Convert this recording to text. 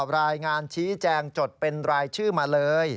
รายงานชี้แจงจดเป็นรายชื่อมาเลย